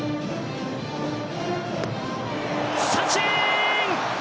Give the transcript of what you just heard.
三振！